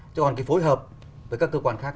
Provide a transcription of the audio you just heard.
còn cái phối hợp với các cơ quan khác